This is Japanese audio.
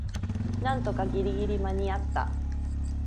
なんとかギリギリ間にあった